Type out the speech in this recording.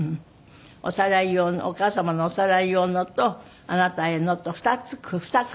おさらい用のお母様のおさらい用のとあなたへのと２組。